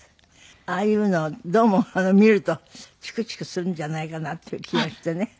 ああいうのどうも見るとチクチクするんじゃないかなっていう気がしてね。